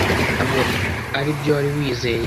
Ntabwo aribyo wari wizeye?